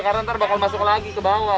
karena nanti bakal masuk lagi ke bawah